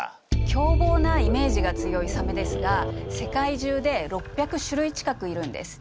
凶暴なイメージが強いサメですが世界中で６００種類近くいるんです。